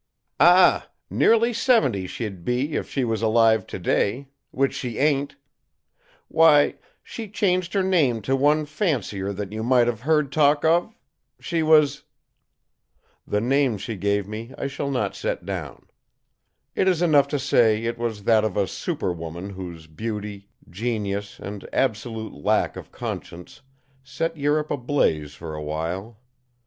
"Ah! Nearly seventy she'd be if she was alive today; which she ain't. Why, she changed her name to one fancier that you might have heard talk of? She was " The name she gave me I shall not set down. It is enough to say it was that of a super woman whose beauty, genius and absolute lack of conscience set Europe ablaze for a while.